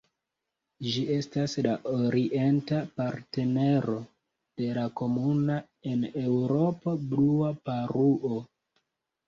Ĝi estas la orienta partnero de la komuna en Eŭropo Blua paruo.